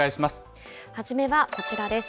初めはこちらです。